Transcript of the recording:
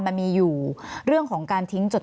มีความรู้สึกว่ามีความรู้สึกว่า